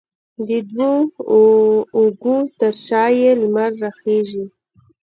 د دوو اوږو ترشا یې، لمر راخیژې